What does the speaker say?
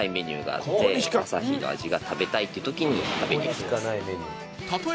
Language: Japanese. あさひの味が食べたいっていう時に食べに来ます。